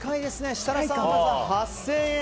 設楽さんが８０００円。